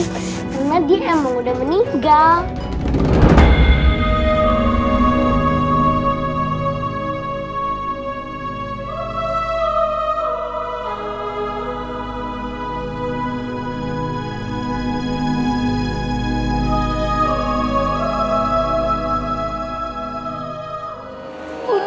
karena dia emang udah meninggal